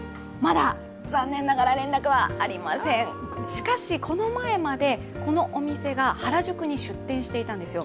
しかしこの前までこのお店が原宿に出店していたんですよ。